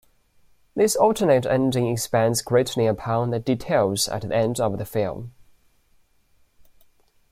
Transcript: This alternate ending expands greatly upon the details at the end of the film.